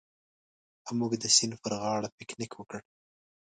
موږ د سیند پر غاړه پکنیک وکړ.